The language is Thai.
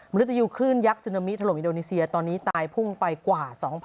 มริตยุคลื่นยักษณมิธรรมอินโดนีเซียตอนนี้ตายพุ่งไปกว่า๒๐๐๐